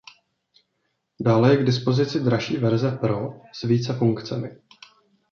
Dále je k dispozici dražší verze Pro s více funkcemi.